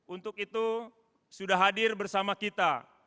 untuk itu sudah hadir bersama kita